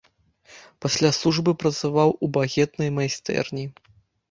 Пасля службы працаваў у багетнай майстэрні.